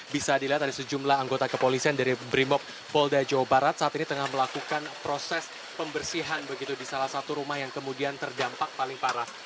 bisa dilihat dari sejumlah anggota kepolisian dari brimob polda jawa barat saat ini tengah melakukan proses pembersihan begitu di salah satu rumah yang kemudian terdampak paling parah